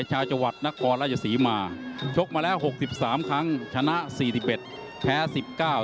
จากเกาสี่เมืองจราเข้ยเครียว